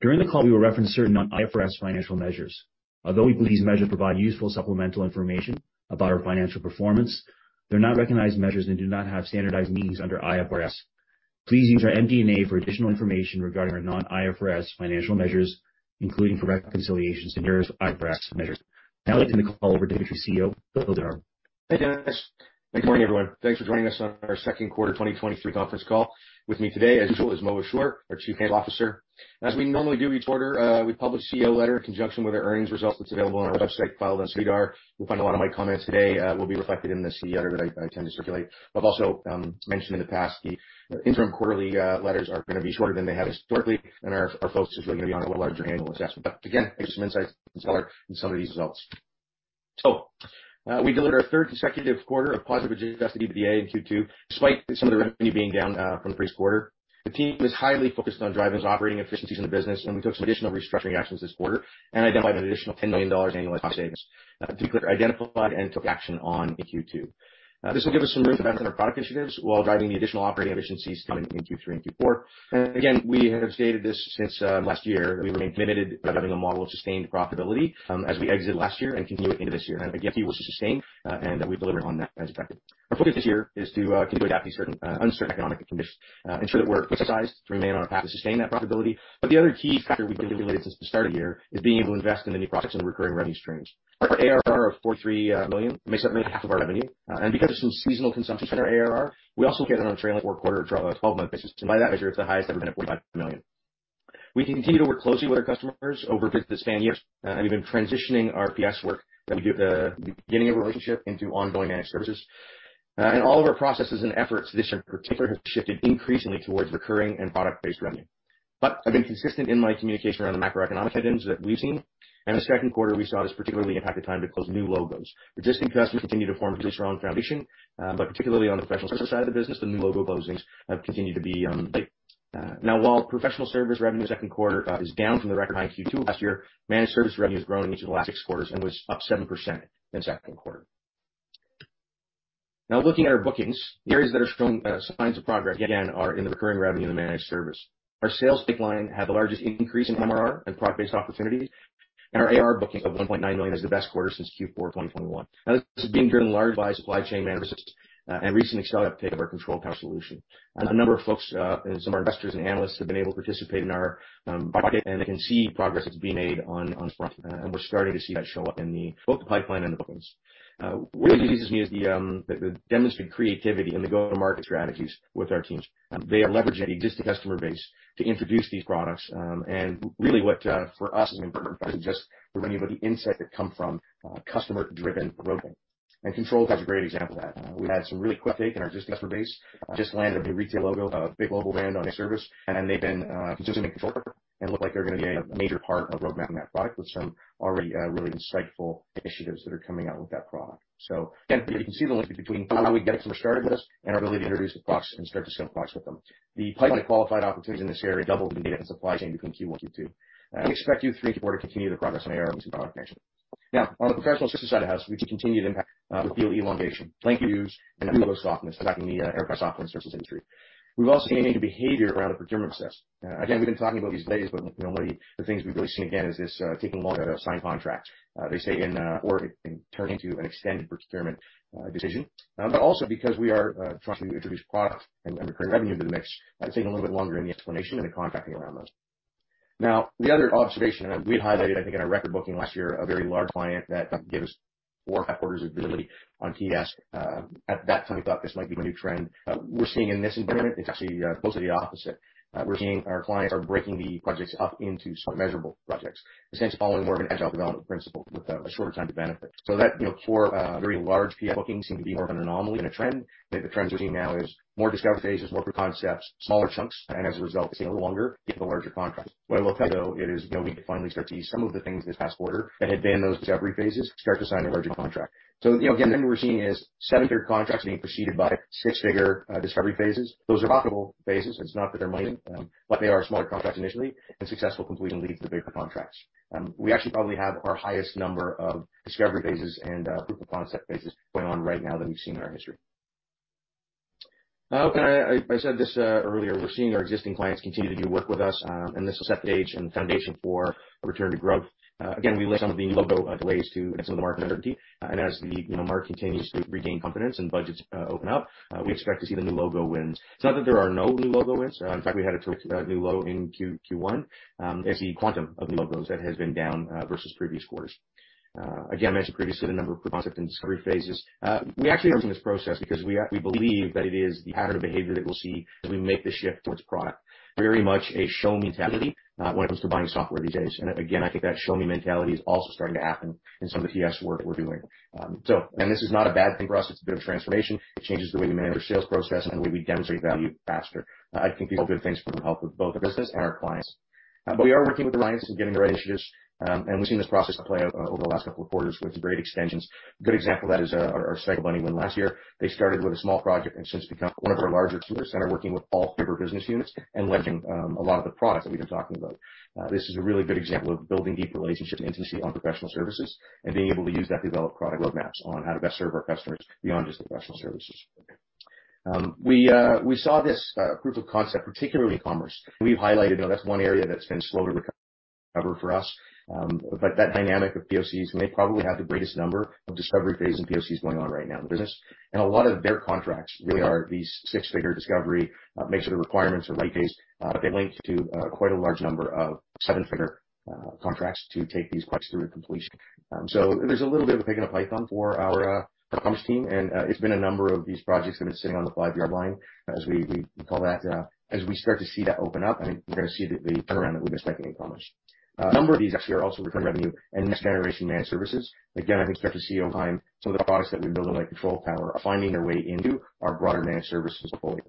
During the call, we will reference certain non-IFRS financial measures. Although we believe these measures provide useful supplemental information about our financial performance, they're not recognized measures and do not have standardized means under IFRS. Please use our MD&A for additional information regarding our non-IFRS financial measures, including for reconciliation standards, IFRS measures. I'd like to turn the call over to CEO, Bill Di Nardo. Hi, Dennis. Good morning, everyone. Thanks for joining us on our second quarter 2023 conference call. With me today, as usual, is Mo Ashoor, our Chief Financial Officer. As we normally do each quarter, we publish CEO letter in conjunction with our earnings results. It's available on our website, filed on SEDAR. You'll find a lot of my comments today, will be reflected in this CEO letter that I, I tend to circulate. I've also mentioned in the past, the interim quarterly letters are gonna be shorter than they have historically, and our, our focus is really gonna be on a larger annual assessment. Again, give you some insights and color in some of these results. We delivered our third consecutive quarter of positive adjusted EBITDA in Q2, despite some of the revenue being down from the previous quarter. The team is highly focused on driving operating efficiencies in the business, and we took some additional restructuring actions this quarter and identified an additional $10 million annual cost savings, specifically identified and took action on in Q2. This will give us some room to benefit our product initiatives while driving the additional operating efficiencies coming in Q3 and Q4. Again, we have stated this since last year, we were committed to having a model of sustained profitability as we exited last year and continued into this year. I think it was to sustain, and we delivered on that as effective. Our focus this year is to continue to adapt these certain, uncertain economic conditions, ensure that we're sized to remain on our path to sustain that profitability. The other key factor we've been related since the start of the year is being able to invest in the new products and recurring revenue streams. Our ARR of $43 million makes up nearly half of our revenue, and because of some seasonal consumption to our ARR, we also get it on a trailing four quarter or 12-month basis, and by that measure, it's the highest ever been at $45 million. We continue to work closely with our customers over the span years, we've been transitioning our PS work that we do at the beginning of a relationship into ongoing managed services. All of our processes and efforts this year in particular, have shifted increasingly towards recurring and product-based revenue. I've been consistent in my communication around the macroeconomic headwinds that we've seen, and the second quarter, we saw this particularly impacted time to close new logos. Existing customers continue to form a pretty strong foundation, but particularly on the professional services side of the business, the new logo closings have continued to be late. While professional services revenue second quarter is down from the record high in Q2 last year, managed service revenue has grown each of the last six quarters and was up 7% in second quarter. Looking at our bookings, the areas that are showing signs of progress again, are in the recurring revenue in the managed service. Our sales pipeline had the largest increase in MRR and product-based opportunities, and our AR bookings of 1.9 million is the best quarter since Q4 2021. Now, this is being driven in large by supply chain management, and recently saw uptake of our Control Tower solution. A number of folks, and some of our investors and analysts have been able to participate in our, and they can see progress that's being made on, on this front. We're starting to see that show up in the both the pipeline and the bookings. What really pleases me is the, the, the demonstrated creativity in the go-to-market strategies with our teams. They are leveraging the existing customer base to introduce these products, and really what, for us, is important is just the insight that come from, customer-driven roadmap. Control Tower is a great example of that. We've had some really quick take in our existing customer base. Just landed a new retail logo, a big global brand on a service, and they've been consuming the Control Tower and look like they're gonna be a major part of roadmap in that product with some already really insightful initiatives that are coming out with that product. Again, you can see the link between how we get started with this and our ability to introduce the products and start to sell products with them. The pipeline of qualified opportunities in this area doubled the data and supply chain between Q1 and Q2. We expect Q3 and Q4 to continue the progress on ARR and product connection. Now, on the professional services side of the house, we've continued impact with deal elongation, length of deals, and deal softness affecting the aircraft software and services industry. We've also seen a behavior around the procurement process. Again, we've been talking about these days, but normally the things we've really seen again, is this taking longer to sign contracts. They say in, or it can turn into an extended procurement decision. Also because we are trying to introduce products and recurring revenue into the mix, it's taking a little bit longer in the explanation and the contracting around those. Now, the other observation, and we highlighted, I think, in our record booking last year, a very large client that gave us 4.5 quarters of visibility on TS. At that time, we thought this might be the new trend. We're seeing in this environment, it's actually close to the opposite. We're seeing our clients are breaking the projects up into sort of measurable projects, essentially following more of an agile development principle with a shorter time to benefit. That, you know, core, very large PF bookings seem to be more of an anomaly than a trend. The trends we're seeing now is more discovery phases, more proof of concepts, smaller chunks, and as a result, it's taking a little longer to get the larger contracts. What I will tell you, though, it is, you know, we can finally start to see some of the things this past quarter that had been those discovery phases start to sign a larger contract. You know, again, what we're seeing is 7-figure contracts being preceded by 6-figure discovery phases. Those are profitable phases. It's not that they're mining, but they are smaller contracts initially, and successful completion leads to the bigger contracts. We actually probably have our highest number of discovery phases and proof of concept phases going on right now than we've seen in our history. Okay, I, I, I said this earlier, we're seeing our existing clients continue to do work with us, and this will set the stage and the foundation for a return to growth. Again, we list some of the new logo delays to some of the market uncertainty. As the, you know, market continues to regain confidence and budgets open up, we expect to see the new logo wins. It's not that there are no new logo wins. In fact, we had a terrific new logo in Q1 as the quantum of new logos that has been down versus previous quarters. Again, I mentioned previously the number of concept and discovery phases. We actually from this process because we believe that it is the pattern of behavior that we'll see as we make the shift towards product. Very much a show me mentality when it comes to buying software these days. Again, I think that show me mentality is also starting to happen in some of the TS work that we're doing. This is not a bad thing for us. It's a bit of transformation. It changes the way we manage our sales process and the way we demonstrate value faster. I think these are good things for the help of both the business and our clients. We are working with the clients and getting the right issues, we've seen this process play out over the last couple of quarters with great extensions. A good example of that is our Psycho Bunny win last year. They started with a small project and since become one of our larger customers that are working with all fiber business units and leveraging a lot of the products that we've been talking about. This is a really good example of building deep relationships and intimacy on professional services and being able to use that to develop product roadmaps on how to best serve our customers beyond just the professional services. We saw this proof of concept, particularly in commerce. We've highlighted, you know, that's one area that's been slowly recovering for us. That dynamic of POCs may probably have the greatest number of discovery phase and POCs going on right now in the business. A lot of their contracts really are these six-figure discovery, make sure the requirements are right phase, but they link to quite a large number of seven-figure contracts to take these products through to completion. There's a little bit of a pick up pipe on for our commerce team, and it's been a number of these projects that have been sitting on the five-year line, as we, we call that. As we start to see that open up, I think we're gonna see the turnaround that we've been expecting in commerce. A number of these actually are also recurring revenue and next generation managed services. I think you start to see behind some of the products that we build, like Control Tower, are finding their way into our broader managed services portfolio.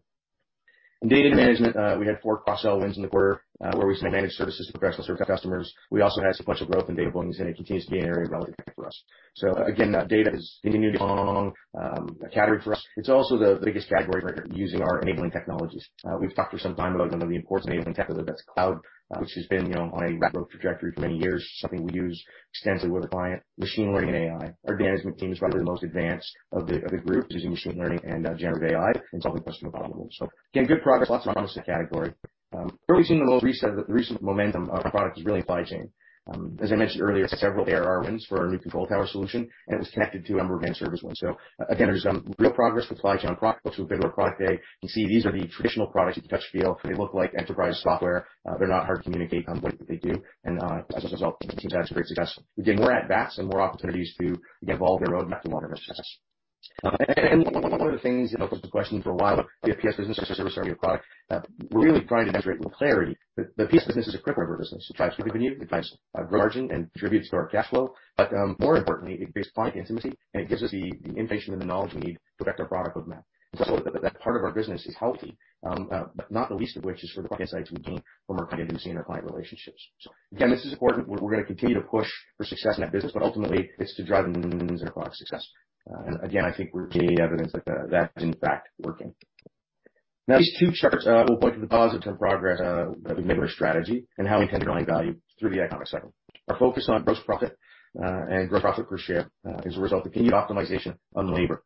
In data management, we had four cross-sell wins in the quarter, where we saw managed services, professional service customers. We also had a bunch of growth in data volumes, and it continues to be an area of relative impact for us. Again, that data is continuing to be a long category for us. It's also the biggest category for using our enabling technologies. We've talked for some time about, you know, the importance of enabling tech, whether that's cloud, which has been, you know, on a growth trajectory for many years, something we use extensively with the client, machine learning and AI. Our management team is probably the most advanced of the, of the group, using machine learning and generative AI and solving customer problems. Again, good progress, lots of progress in the category. Where we've seen the most recent, the recent momentum of our product is really in supply chain. As I mentioned earlier, several ARR wins for our new Control Tower solution, and it was connected to a number of managed service wins. Again, there's been real progress with supply chain products, which have been our product day. You can see these are the traditional products you touch, feel. They look like enterprise software. They're not hard to communicate on what they do, and as a result, the team's had great success. We get more at bats and more opportunities to evolve their roadmap to longer success. One of the things that was the question for a while, the PS business versus service product, we're really trying to demonstrate more clarity. The PS business is a critical business. It drives revenue, it drives margin and contributes to our cash flow, but more importantly, it creates client intimacy, and it gives us the information and the knowledge we need to affect our product roadmap. That part of our business is healthy, but not the least of which is for the client insights we gain from our client and our client relationships. Again, this is important. We're, we're gonna continue to push for success in that business, but ultimately, it's to drive product success. Again, I think we're seeing evidence that that, that is in fact working. These two charts will point to the positive progress that we've made in our strategy and how we can drive value through the economic cycle. Our focus on gross profit and gross profit per share is a result of continued optimization on labor.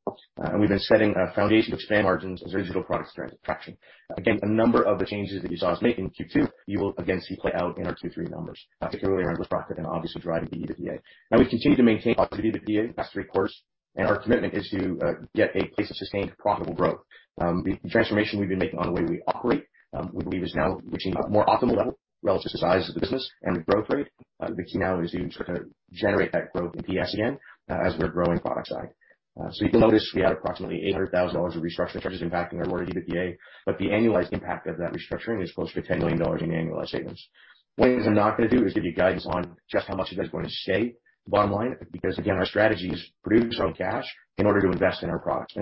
We've been setting a foundation to expand margins as our digital products gain traction. Again, a number of the changes that you saw us make in Q2, you will again see play out in our two, three numbers, particularly around gross profit and obviously driving the EBITDA. We've continued to maintain our EBITDA the past three quarters, and our commitment is to get a place of sustained profitable growth. The transformation we've been making on the way we operate, we believe is now reaching a more optimal level relative to the size of the business and the growth rate. The key now is to generate that growth in PS again, as we're growing product side. So you can notice, we had approximately $800,000 of restructuring charges impacting our lower EBITDA, but the annualized impact of that restructuring is closer to $10 million in annualized savings. One thing I'm not gonna do is give you guidance on just how much of that is going to stay the bottom line, because, again, our strategy is produce our own cash in order to invest in our products.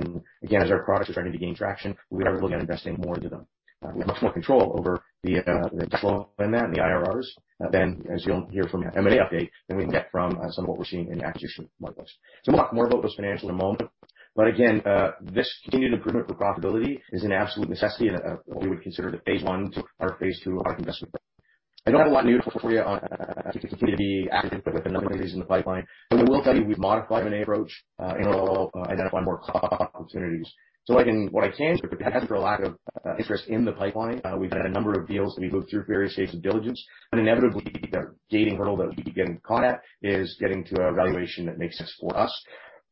Again, as our products are starting to gain traction, we're gonna be looking at investing more into them. We have much more control over the flow in that and the IRRs than as you'll hear from M&A update, than we can get from some of what we're seeing in the acquisition marketplace. More, more about those financials in a moment. Again, this continued improvement for profitability is an absolute necessity and what we would consider the phase one to our phase two of our investment. I don't have a lot new for you on... Continue to be active with a number of reasons in the pipeline, but I will tell you, we've modified M&A approach and identify more opportunities. Again, what I can't... It hasn't been a lack of interest in the pipeline. We've had a number of deals that we go through various phases of diligence, but inevitably, the gating hurdle that we get caught at is getting to a valuation that makes sense for us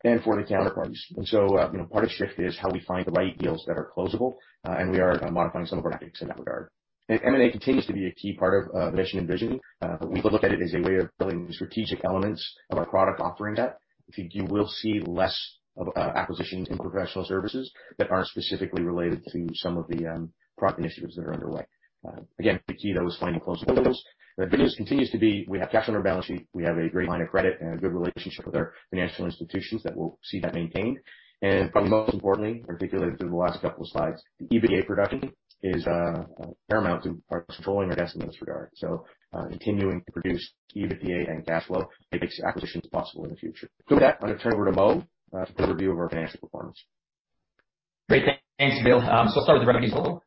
and for the counterparties. You know, part of the shift is how we find the right deals that are closable, and we are modifying some of our tactics in that regard. M&A continues to be a key part of, of mission and vision. We look at it as a way of building strategic elements of our product offering that. You, you will see less of acquisitions in professional services that aren't specifically related to some of the product initiatives that are underway. Again, the key, though, is finding closable deals. The good news continues to be, we have cash on our balance sheet, we have a great line of credit and a good relationship with our financial institutions that will see that maintained. Probably most importantly, particularly through the last couple of slides, the EBITDA production is paramount to our controlling our destiny in this regard. Continuing to produce EBITDA and cash flow makes acquisitions possible in the future. With that, I'm going to turn it over to Mo for the review of our financial performance. Great. Thanks, Bill. I'll start with the revenue result.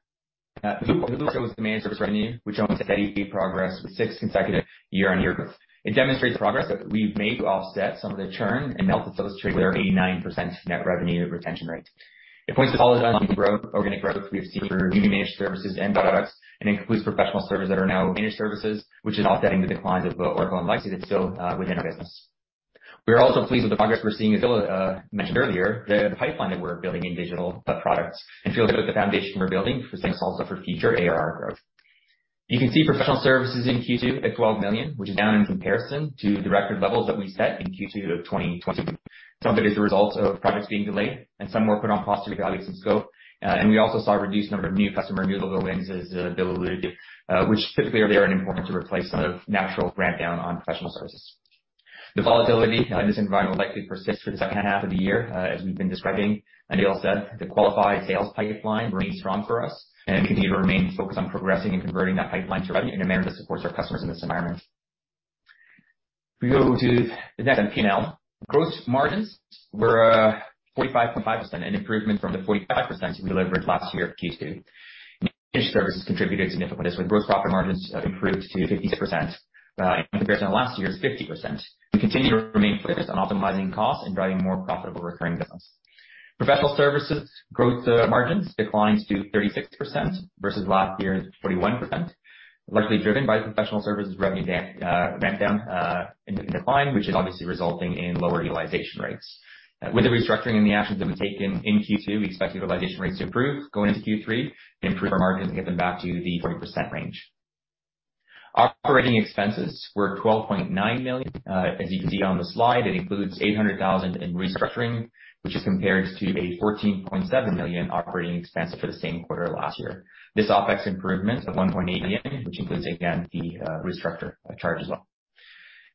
It was the managed service revenue, which owns steady progress with 6 consecutive year-over-year growth. It demonstrates the progress that we've made to offset some of the churn and help us with our 89% net revenue retention rate. It points to all of us on the growth, organic growth we've seen through new managed services and products, and includes professional services that are now managed services, which is offsetting the declines of Oracle and license that's still within our business. We are also pleased with the progress we're seeing, as Bill mentioned earlier, the pipeline that we're building in digital products and feel good with the foundation we're building for success also for future ARR growth. You can see professional services in Q2 at $12 million, which is down in comparison to the record levels that we set in Q2 of 2020. Some of it is the result of products being delayed and some were put on pause to reevaluate some scope. We also saw a reduced number of new customer, new logo wins, as Bill alluded to, which typically are there and important to replace some of natural ramp down on professional services. The volatility in this environment will likely persist for the second half of the year, as we've been describing. Bill said, the qualified sales pipeline remains strong for us, and we continue to remain focused on progressing and converting that pipeline to revenue in a manner that supports our customers in this environment. If we go to the next P&L, gross margins were 45.5%, an improvement from the 45% we delivered last year at Q2. Managed services contributed significantly, so the gross profit margins improved to 50% in comparison to last year's 50%. We continue to remain focused on optimizing costs and driving more profitable recurring business. Professional services growth margins declined to 36% versus last year's 41%, largely driven by professional services revenue down, down, and decline, which is obviously resulting in lower utilization rates. With the restructuring and the actions that we've taken in Q2, we expect utilization rates to improve going into Q3, and improve our margins, and get them back to the 40% range. Operating expenses were $12.9 million. As you can see on the slide, it includes $800,000 in restructuring, which is compared to a $14.7 million operating expense for the same quarter last year. This OpEx improvement of $1.8 million, which includes, again, the restructure charge as well.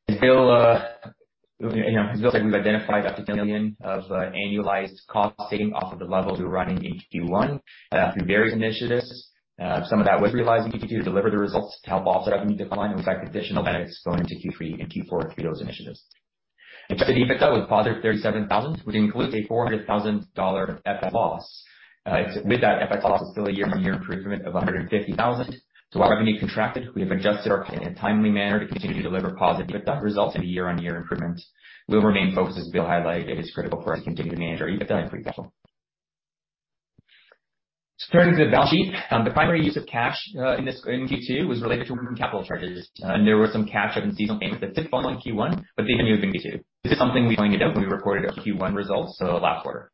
As Bill, you know, said, we've identified up to million of annualized costs saving off of the levels we were running in Q1 through various initiatives. Some of that was realized in Q2 to deliver the results to help offset revenue decline, and we expect additional benefits going into Q3 and Q4 through those initiatives. EBITDA was positive $37,000, which includes a $400,000 FX loss. With that FX loss is still a year-on-year improvement of $150,000. While revenue contracted, we have adjusted our cost in a timely manner to continue to deliver positive EBITDA results and a year-on-year improvement. We'll remain focused, as Bill highlighted, it is critical for us to continue to manage our EBITDA and free cash flow. Turning to the balance sheet. The primary use of cash in Q2 was related to working capital charges, and there were some cash seasonal payments that did fall in Q1, but they ended up in Q2. This is something we pointed out when we recorded our Q1 results, so last quarter.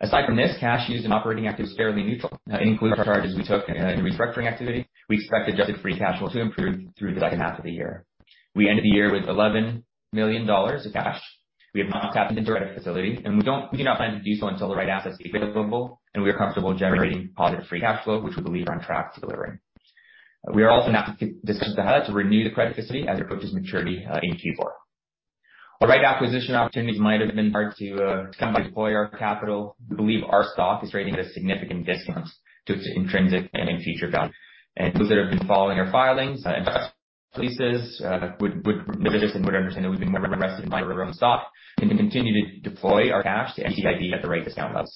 Aside from this, cash used in operating activity was fairly neutral, including charges we took in restructuring activity. We expect adjusted free cash flow to improve through the second half of the year. We ended the year with $11 million of cash. We have not tapped into our credit facility, we do not plan to do so until the right assets be available, and we are comfortable generating positive free cash flow, which we believe are on track to delivering. We are also in active discussions to hire, to renew the credit facility as it approaches maturity in Q4. While right acquisition opportunities might have been hard to come by deploy our capital, we believe our stock is trading at a significant discount to its intrinsic and future value. Those that have been following our filings and press releases would know this and would understand that we've been more aggressive in buying our own stock, and to continue to deploy our cash to NCIB at the right discount levels.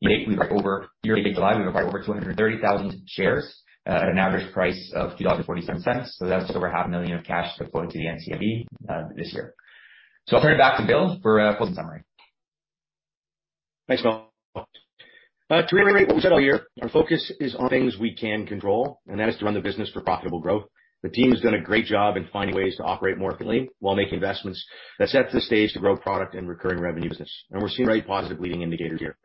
Year to date, July, we bought over 230,000 shares at an average price of 2.47 dollars. That's over 500,000 of cash deployed to the NCIB this year. I'll turn it back to Bill for a closing summary. Thanks, Mo. To reiterate what we said all year, our focus is on things we can control, and that is to run the business for profitable growth. The team has done a great job in finding ways to operate more cleanly while making investments that sets the stage to grow product and recurring revenue business. We're seeing very positive leading indicators here.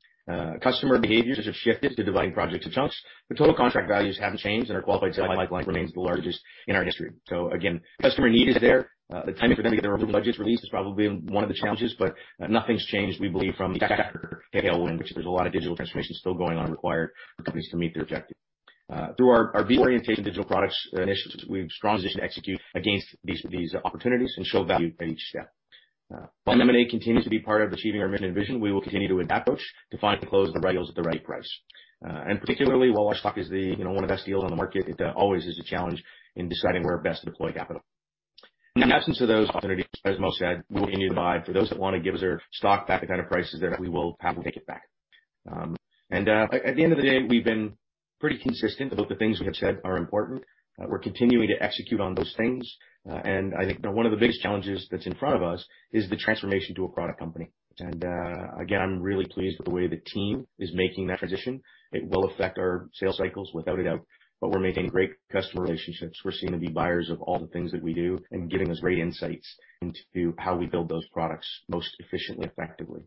Customer behaviors have shifted to dividing projects to chunks, but total contract values haven't changed, and our qualified pipeline remains the largest in our history. Again, customer need is there. The timing for them to get their budgets released is probably one of the challenges, but nothing's changed, we believe, from the factor tailwind, which there's a lot of digital transformation still going on, required for companies to meet their objectives. Through our orientation digital products initiatives, we have a strong position to execute against these opportunities and show value at each step. While M&A continues to be part of achieving our mission and vision, we will continue to approach to find and close the right deals at the right price. Particularly, while our stock is the, you know, one of the best deals on the market, it always is a challenge in deciding where best to deploy capital. In the absence of those opportunities, as Mo said, we'll continue to buy. For those that want to give us their stock back at better prices there, we will happily take it back. At the end of the day, we've been pretty consistent about the things we have said are important. We're continuing to execute on those things. I think one of the biggest challenges that's in front of us is the transformation to a product company. Again, I'm really pleased with the way the team is making that transition. It will affect our sales cycles, without a doubt, but we're making great customer relationships. We're seeing the buyers of all the things that we do and giving us great insights into how we build those products most efficiently, effectively.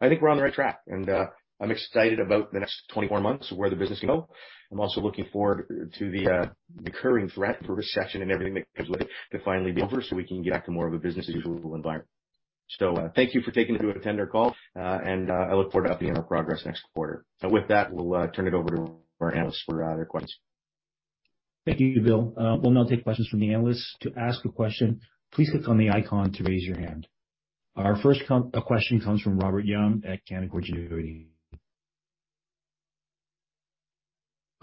I think we're on the right track, and I'm excited about the next 24 months, where the business can go. I'm also looking forward to the recurring threat for recession and everything that goes with it to finally be over, so we can get back to more of a business as usual environment. Thank you for taking the time to attend our call, and I look forward to updating our progress next quarter. With that, we'll turn it over to our analysts for other questions. Thank you, Bill. We'll now take questions from the analysts. To ask a question, please click on the icon to raise your hand. Our first question comes from Robert Young at Canaccord Genuity.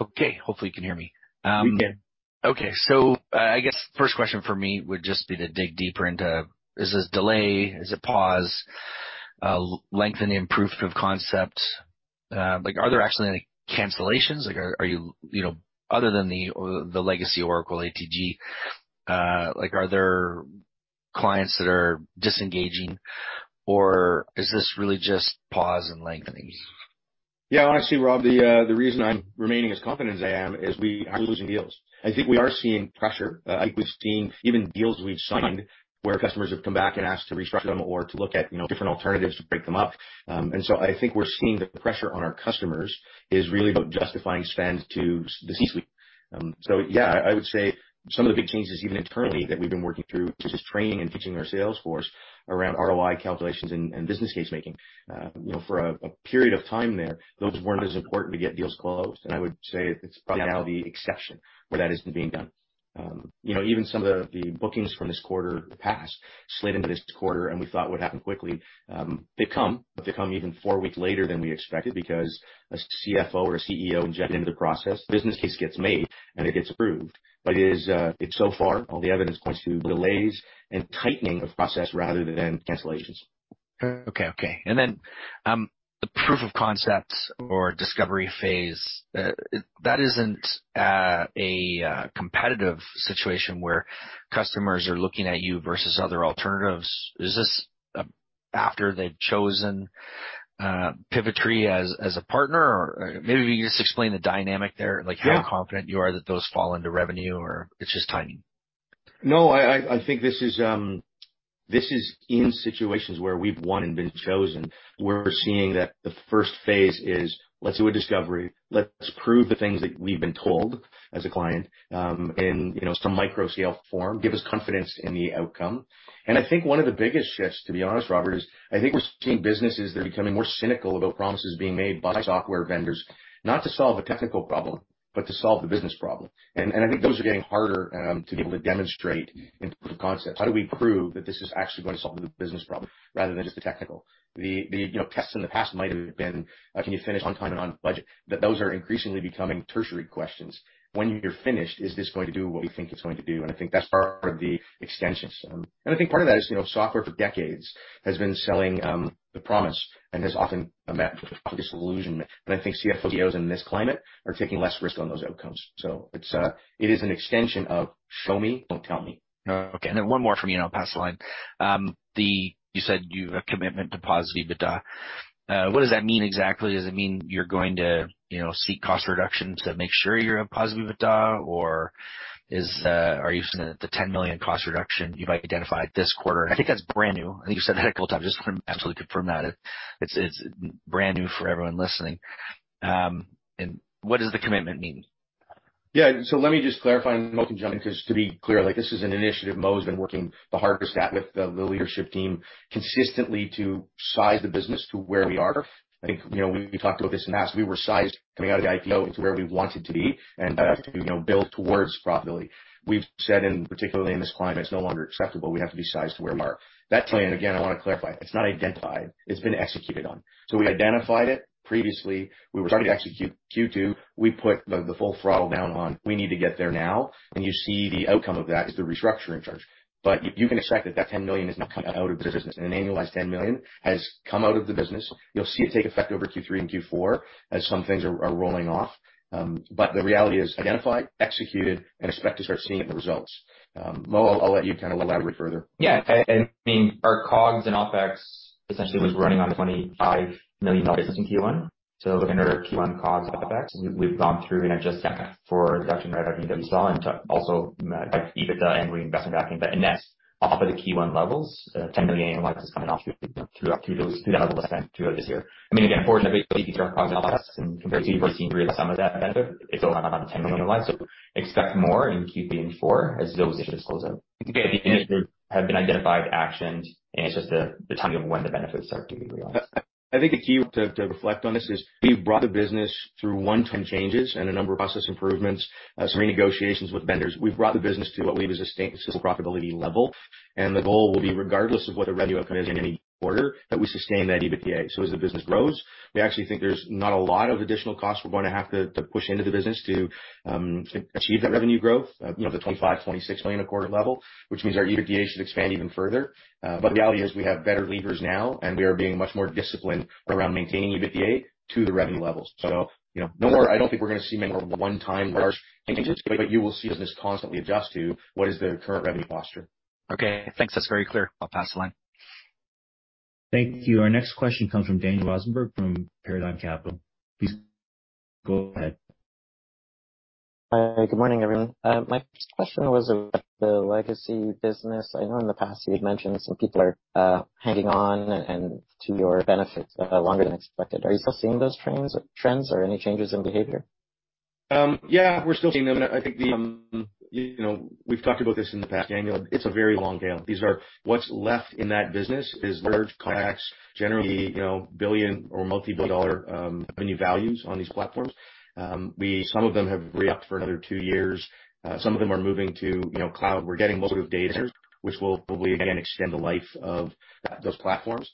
Okay, hopefully you can hear me. We can. Okay. I guess the first question for me would just be to dig deeper into, is this delay, is it pause, lengthen the proof of concept? Like, are there actually any cancellations? Like, are you, you know, other than the, the legacy Oracle ATG, like, are there clients that are disengaging or is this really just pause and lengthening? Yeah, honestly, Rob, the reason I'm remaining as confident as I am, is we are losing deals. I think we are seeing pressure. I think we're seeing even deals we've signed where customers have come back and asked to restructure them or to look at, you know, different alternatives to break them up. I think we're seeing the pressure on our customers is really about justifying spend to the C-suite. Yeah, I would say some of the big changes, even internally, that we've been working through is just training and teaching our sales force around ROI calculations and business case making. You know, for a period of time there, those weren't as important to get deals closed, and I would say it's probably now the exception where that isn't being done. You know, even some of the, the bookings from this quarter, the past, slid into this quarter, and we thought would happen quickly, they've come, but they come even four weeks later than we expected, because a CFO or a CEO injected into the process, business case gets made and it gets approved. It is, it's so far, all the evidence points to delays and tightening of process rather than cancellations. Okay, okay. The proof of concepts or discovery phase, that isn't a competitive situation where customers are looking at you versus other alternatives. Is this after they've chosen Pivotree as a partner? Or maybe you just explain the dynamic there. Yeah. Like, how confident you are that those fall into revenue or it's just tiny? No, I, I, I think this is, this is in situations where we've won and been chosen. We're seeing that the first phase is let's do a discovery, let's prove the things that we've been told as a client, in, you know, some micro-scale form, give us confidence in the outcome. I think one of the biggest shifts, to be honest, Robert, is I think we're seeing businesses that are becoming more cynical about promises being made by software vendors, not to solve a technical problem, but to solve the business problem. I think those are getting harder, to be able to demonstrate in proof of concepts. How do we prove that this is actually going to solve the business problem rather than just the technical? The, the, you know, tests in the past might have been, can you finish on time and on budget? That those are increasingly becoming tertiary questions. When you're finished, is this going to do what we think it's going to do? I think that's part of the extensions. I think part of that is, you know, software for decades has been selling, the promise and has often met with disillusionment, and I think CFOs in this climate are taking less risk on those outcomes. It's, it is an extension of show me, don't tell me. Okay, then one more from me, and I'll pass the line. The you said you have a commitment to positive EBITDA. What does that mean exactly? Does it mean you're going to, you know, seek cost reductions to make sure you're a positive EBITDA, or is are you saying that the $10 million cost reduction you might identify this quarter? I think that's brand new. I think you said that a couple times. Just want to absolutely confirm that. It's, it's brand new for everyone listening. What does the commitment mean? Yeah. Let me just clarify, and Mo can jump in, 'cause to be clear, like, this is an initiative Mo has been working the hardest at with the, the leadership team consistently to size the business to where we are. I think, you know, we talked about this in the past. We were sized coming out of the IPO to where we wanted to be and to, you know, build towards profitability. We've said, and particularly in this climate, it's no longer acceptable, we have to be sized to where we are. That saying, again, I want to clarify, it's not identified, it's been executed on. We identified it previously. We were starting to execute Q2. We put the, the full throttle down on we need to get there now, and you see the outcome of that is the restructuring charge. You can expect that that $10 million is now coming out of the business, and an annualized $10 million has come out of the business. You'll see it take effect over Q3 and Q4 as some things are rolling off. The reality is identified, executed, and expect to start seeing the results. Mo, I'll let you kind of elaborate further. Yeah. I, I mean, our COGS and Opex essentially was running on a $25 million business in Q1. Looking at our Q1 COGS Opex, we've gone through and adjusted for reduction, right, and also EBITDA and reinvestment back in. Next, off of the Q1 levels, $10 million is coming off through, through those, through that level, again, throughout this year. I mean, again, forward, compared to $14.3 million, some of that benefit, it's still not on $10 million lines. Expect more in Q3 and four as those issues close out. Have been identified, actioned, and it's just the, the timing of when the benefits are to be realized. I, I think the key to, to reflect on this is we've brought the business through one-time changes and a number of process improvements, some renegotiations with vendors. We've brought the business to what we believe is a sustainable profitability level. The goal will be, regardless of what the revenue outcome is in any quarter, that we sustain that EBITDA. As the business grows, we actually think there's not a lot of additional costs we're going to have to, to push into the business to achieve that revenue growth of, you know, the $25 million-$26 million a quarter level, which means our EBITDA should expand even further. The reality is we have better levers now, and we are being much more disciplined around maintaining EBITDA to the revenue levels. You know, no more I don't think we're going to see many more one-time harsh changes, but you will see the business constantly adjust to what is the current revenue posture. Okay, thanks. That's very clear. I'll pass the line. Thank you. Our next question comes from Daniel Rosenberg from Paradigm Capital. Please, go ahead. Hi, good morning, everyone. My first question was about the legacy business. I know in the past you've mentioned some people are hanging on and to your benefit, longer than expected. Are you still seeing those trends, trends or any changes in behavior? Yeah, we're still seeing them. I think the, you know, we've talked about this in the past, Daniel. It's a very long tail. These are. What's left in that business is large contracts, generally, you know, billion or multi-billion dollar revenue values on these platforms. Some of them have re-upped for another two years. Some of them are moving to, you know, cloud. We're getting more of data, which will probably again extend the life of that, those platforms.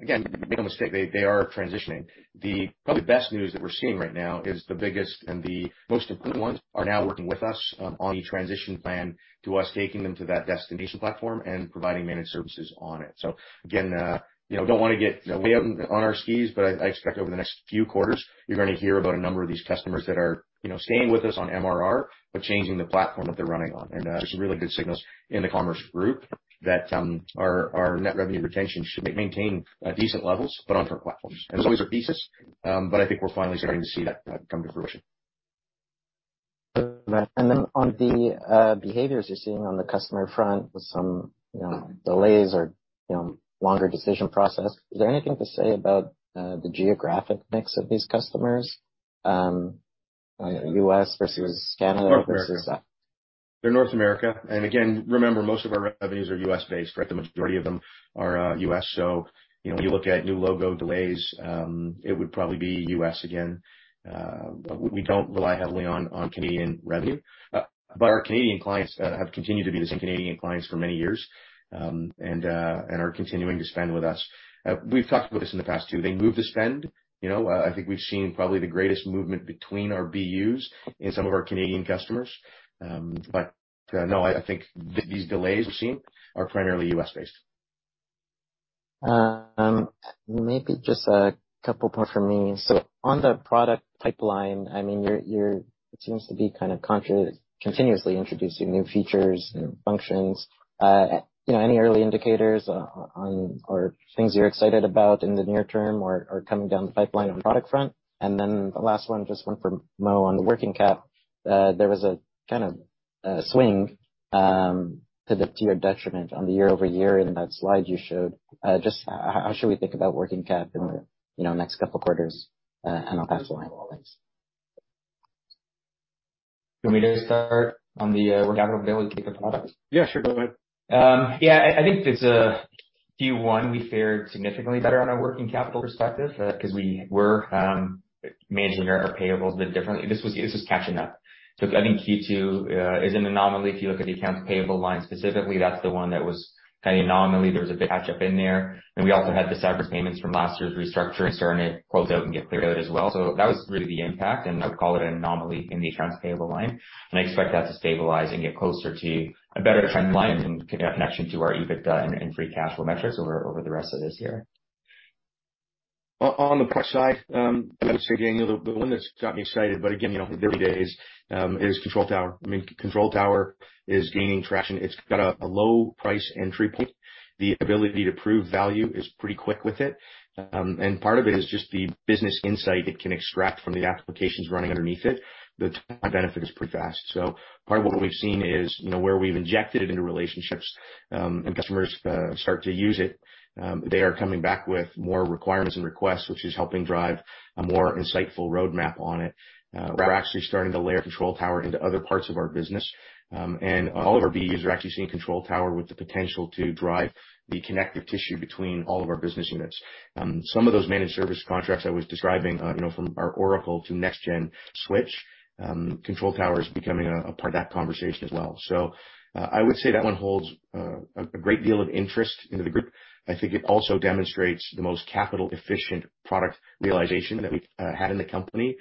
Again, make no mistake, they, they are transitioning. The probably best news that we're seeing right now is the biggest and the most important ones are now working with us on a transition plan to us, taking them to that destination platform and providing managed services on it. Again, you know, don't want to get way out on our skis, but I, I expect over the next few quarters, you're going to hear about a number of these customers that are, you know, staying with us on MRR, but changing the platform that they're running on. There's some really good signals in the commerce group that our net revenue retention should maintain decent levels, but on our platforms. It's always a thesis, but I think we're finally starting to see that come to fruition. Then on the behaviors you're seeing on the customer front, with some, you know, delays or, you know, longer decision process, is there anything to say about the geographic mix of these customers? U.S. versus Canada versus... They're North America. Remember, most of our revenues are U.S.-based, right? The majority of them are U.S. When you look at new logo delays, it would probably be U.S. again. We don't rely heavily on Canadian revenue, but our Canadian clients have continued to be the same Canadian clients for many years, and are continuing to spend with us. We've talked about this in the past, too. They move the spend, you know, I think we've seen probably the greatest movement between our BUs in some of our Canadian customers. Yeah, no, I think these delays we've seen are primarily U.S.-based. Maybe just a couple points from me. On the product pipeline, it seems to be kind of continuously introducing new features, new functions. Any early indicators on or things you're excited about in the near term or coming down the pipeline on the product front? The last one, just one for Mo on the working cap. There was a kind of swing to the tier detriment on the year-over-year in that slide you showed. Just how should we think about working cap in the next couple of quarters? I'll pass the line, always. You want me to start on the working capital product? Yeah, sure. Go ahead. Yeah, I, I think it's Q1, we fared significantly better on our working capital perspective, 'cause we were managing our, our payables a bit differently. This was, this was catching up. I think Q2 is an anomaly. If you look at the accounts payable line specifically, that's the one that was kind of anomaly. There was a big catch-up in there, and we also had the cyber payments from last year's restructuring, starting to close out and get cleared out as well. That was really the impact, and I would call it an anomaly in the accounts payable line. I expect that to stabilize and get closer to a better trend line in connection to our EBITDA and free cash flow metrics over the rest of this year. On the product side, I would say, Daniel, the one that's got me excited, but again, you know, 30 days, is Control Tower. I mean, Control Tower is gaining traction. It's got a low price entry point. The ability to prove value is pretty quick with it. Part of it is just the business insight it can extract from the applications running underneath it. The time benefit is pretty fast. Part of what we've seen is, you know, where we've injected into relationships, and customers, start to use it, they are coming back with more requirements and requests, which is helping drive a more insightful roadmap on it. We're actually starting to layer Control Tower into other parts of our business. All of our BUs are actually seeing Control Tower with the potential to drive the connective tissue between all of our business units. Some of those managed service contracts I was describing, you know, from our Oracle to next-gen switch, Control Tower is becoming a part of that conversation as well. I would say that one holds a great deal of interest into the group. I think it also demonstrates the most capital efficient product realization that we've had in the company.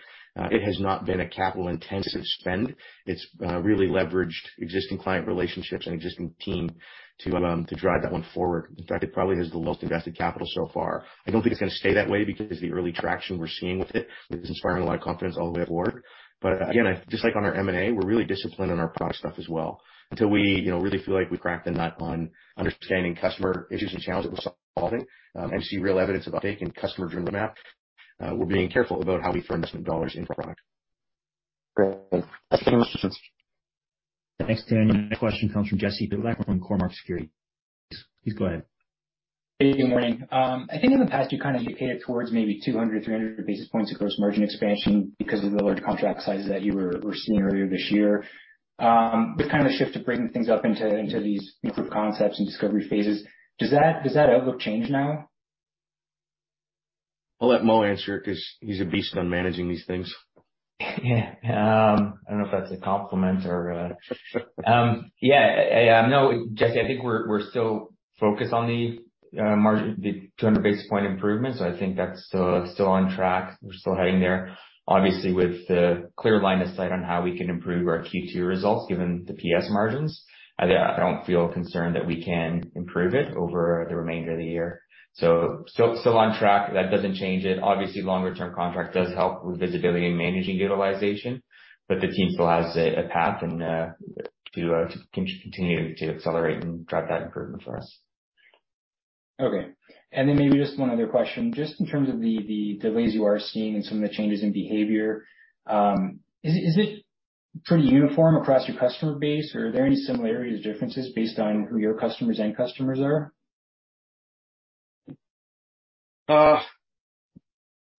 It has not been a capital-intensive spend. It's really leveraged existing client relationships and existing team to drive that one forward. In fact, it probably has the least invested capital so far. I don't think it's gonna stay that way because the early traction we're seeing with it is inspiring a lot of confidence all the way forward. Again, just like on our M&A, we're really disciplined on our product stuff as well. Until we, you know, really feel like we've cracked the nut on understanding customer issues and challenges we're solving, and see real evidence of a take in customer journey map, we're being careful about how we invest dollars in product. Thanks, Daniel. The next question comes from Jesse Pytlak with Cormark Securities. Please go ahead. Hey, good morning. I think in the past, you kind of indicated towards maybe 200, 300 basis points of gross margin expansion because of the large contract sizes that you were, were seeing earlier this year. Kind of shift to bringing things up into, into these proof of concepts and discovery phases. Does that, does that outlook change now? I'll let Mo answer it because he's a beast on managing these things. I don't know if that's a compliment or. Yeah, no, Jesse, I think we're, we're still focused on the margin, the 200 basis point improvement, so I think that's still, still on track. We're still heading there. Obviously, with the clear line of sight on how we can improve our Q2 results, given the PS margins, I, I don't feel concerned that we can improve it over the remainder of the year. Still, still on track. That doesn't change it. Obviously, longer-term contract does help with visibility and managing utilization, but the team still has a, a path and to continue to accelerate and drive that improvement for us. Okay. Then maybe just one other question, just in terms of the, the delays you are seeing and some of the changes in behavior, is it, is it pretty uniform across your customer base, or are there any similarities or differences based on who your customers and customers are?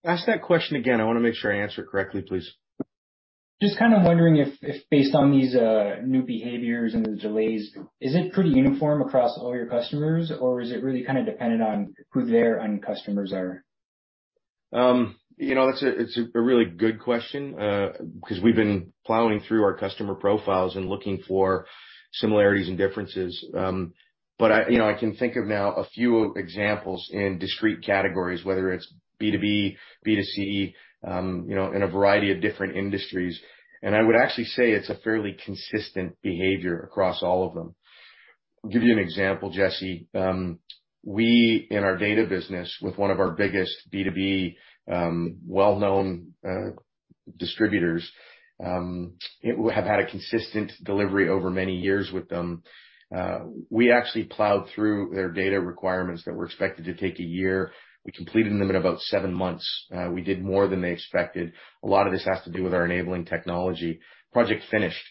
Ask that question again. I wanna make sure I answer it correctly, please. Just kind of wondering if, if based on these, new behaviors and the delays, is it pretty uniform across all your customers, or is it really kind of dependent on who their own customers are? You know, that's a really good question, because we've been plowing through our customer profiles and looking for similarities and differences. I, you know, I can think of now a few examples in discrete categories, whether it's B2B, B2C, you know, in a variety of different industries. I would actually say it's a fairly consistent behavior across all of them. Give you an example, Jesse. We, in our data business, with one of our biggest B2B, well-known, distributors, have had a consistent delivery over many years with them. We actually plowed through their data requirements that were expected to take a year. We completed them in about seven months. We did more than they expected. A lot of this has to do with our enabling technology. Project finished.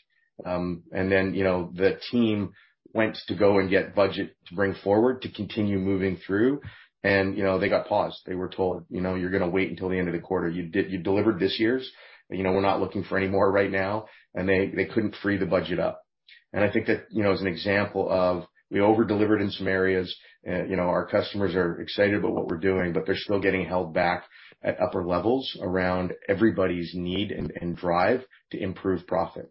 Then, you know, the team went to go and get budget to bring forward to continue moving through, and, you know, they got paused. They were told, "You know, you're gonna wait until the end of the quarter. You delivered this year's, and, you know, we're not looking for any more right now." They, they couldn't free the budget up. I think that, you know, as an example of we over-delivered in some areas, and, you know, our customers are excited about what we're doing, but they're still getting held back at upper levels around everybody's need and, and drive to improve profit.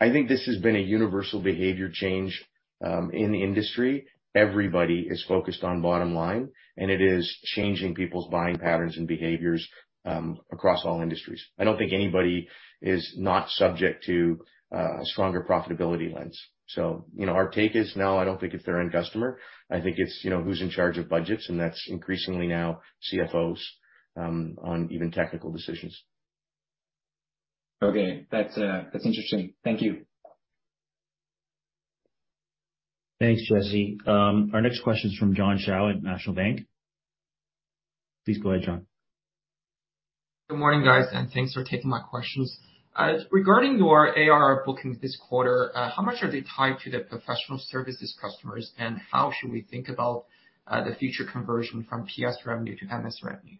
I think this has been a universal behavior change. In the industry, everybody is focused on bottom line, and it is changing people's buying patterns and behaviors across all industries. I don't think anybody is not subject to a stronger profitability lens. You know, our take is, no, I don't think it's their end customer. I think it's, you know, who's in charge of budgets, and that's increasingly now CFOs on even technical decisions. Okay. That's, that's interesting. Thank you. Thanks, Jesse. Our next question is from John Shao at National Bank. Please go ahead, John. Good morning, guys, and thanks for taking my questions. Regarding your ARR bookings this quarter, how much are they tied to the professional services customers, and how should we think about the future conversion from PS revenue to MS revenue?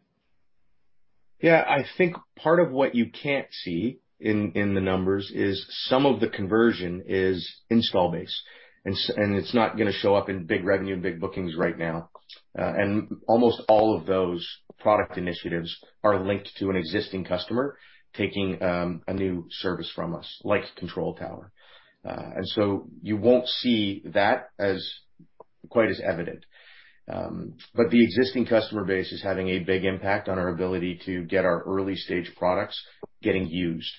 Yeah, I think part of what you can't see in, in the numbers is some of the conversion is install base, and it's not gonna show up in big revenue and big bookings right now. Almost all of those product initiatives are linked to an existing customer taking a new service from us, like Control Tower. So you won't see that as quite as evident. The existing customer base is having a big impact on our ability to get our early-stage products getting used.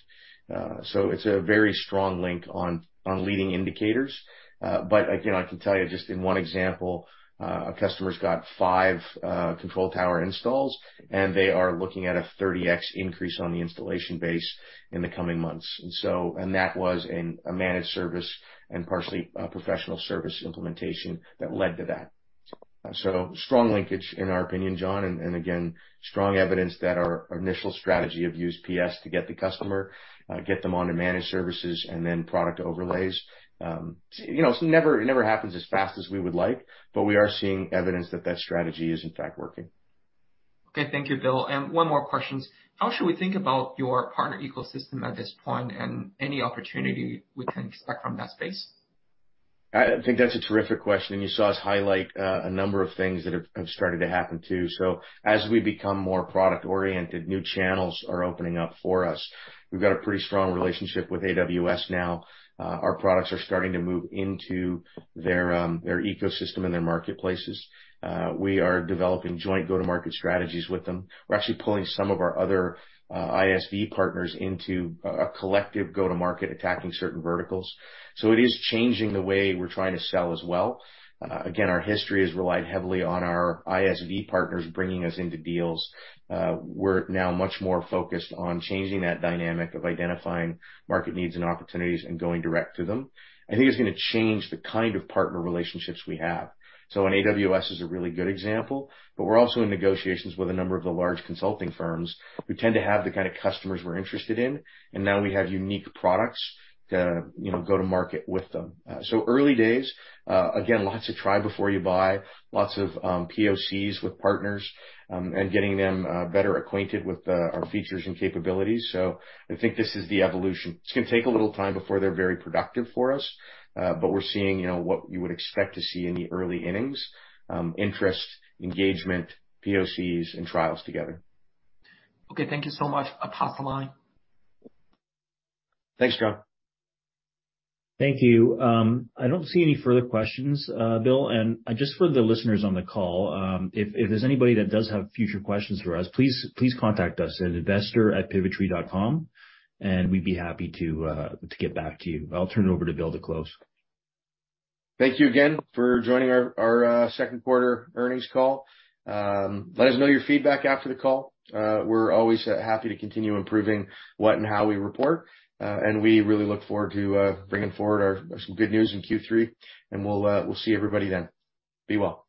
It's a very strong link on, on leading indicators. Again, I can tell you just in one example, a customer's got five Control Tower installs, and they are looking at a 30x increase on the installation base in the coming months. That was in a managed service and partially a professional service implementation that led to that. Strong linkage, in our opinion, John, and again, strong evidence that our initial strategy of use PS to get the customer, get them onto managed services and then product overlays. You know, it's never- it never happens as fast as we would like, but we are seeing evidence that that strategy is, in fact, working. Okay. Thank you, Bill. One more questions. How should we think about your partner ecosystem at this point and any opportunity we can expect from that space? I think that's a terrific question, and you saw us highlight a number of things that have, have started to happen, too. As we become more product-oriented, new channels are opening up for us. We've got a pretty strong relationship with AWS now. Our products are starting to move into their, their ecosystem and their marketplaces. We are developing joint go-to-market strategies with them. We're actually pulling some of our other ISV partners into a, a collective go-to-market, attacking certain verticals. It is changing the way we're trying to sell as well. Again, our history has relied heavily on our ISV partners bringing us into deals. We're now much more focused on changing that dynamic of identifying market needs and opportunities and going direct to them. I think it's gonna change the kind of partner relationships we have. AWS is a really good example, but we're also in negotiations with a number of the large consulting firms who tend to have the kind of customers we're interested in, and now we have unique products to, you know, go to market with them. Early days, again, lots of try before you buy, lots of POCs with partners, and getting them better acquainted with the, our features and capabilities. I think this is the evolution. It's gonna take a little time before they're very productive for us, but we're seeing, you know, what you would expect to see in the early innings: interest, engagement, POCs, and trials together. Okay. Thank you so much. I'll pass the line. Thanks, John. Thank you. I don't see any further questions, Bill. Just for the listeners on the call, if, if there's anybody that does have future questions for us, please, please contact us at investor@pivotree.com, and we'd be happy to get back to you. I'll turn it over to Bill to close. Thank you again for joining our, our second quarter earnings call. Let us know your feedback after the call. We're always happy to continue improving what and how we report, and we really look forward to bringing forward our some good news in Q3, and we'll see everybody then. Be well.